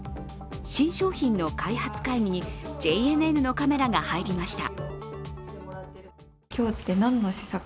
新商品の開発会議にＪＮＮのカメラが入りました。